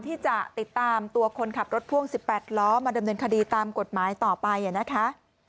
ที่จะติดตามตัวคนขับรถพ่วง๑๘ล้อมาดำเนินคดีตามกฎหมายต่อไปนะคะ